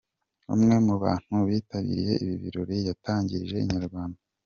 Umwe mu bantu bitabiriye ibi birori yatangarije Inyarwanda.